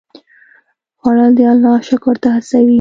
خوړل د الله شکر ته هڅوي